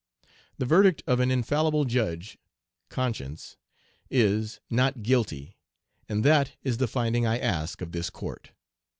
The verdict of an infallible judge conscience is, "Not guilty," and that is the finding I ask of this court.